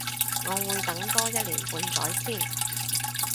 我會等多一年半載先